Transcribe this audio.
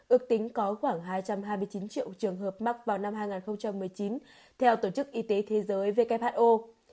ước tính có khoảng hai trăm hai mươi chín triệu trường hợp mắc vào năm hai nghìn một mươi chín theo tổ chức y tế thế giới who